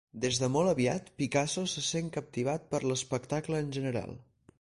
Des de molt aviat, Picasso se sent captivat per l'espectacle en general.